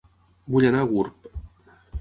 Vull anar a Gurb